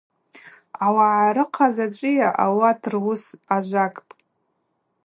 Ауагӏа рыхъаз ачӏвыйа – ауат руыс ажвакӏпӏ.